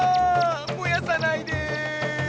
もやさないで！